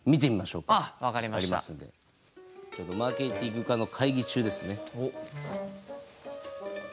ちょうどマーケティング課の会議中ですね。